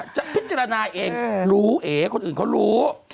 จะพิจารณาเองรู้เอคนอื่นเขารู้